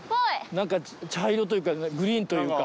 なんか茶色というかグリーンというか。